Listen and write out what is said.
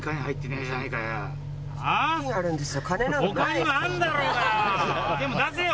他にもあんだろうがよ